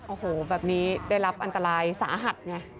โอ้โหแบบนี้ได้รับอันตรายสาหัสไง